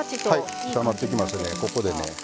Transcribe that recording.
ここでね。